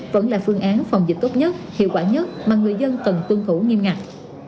vẫn là phương án phòng dịch tốt nhất hiệu quả nhất mà người dân cần tuân thủ nghiêm ngặt